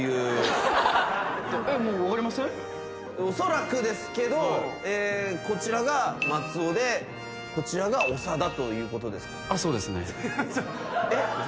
おそらくですけどこちらが松尾でこちらが長田ということですか？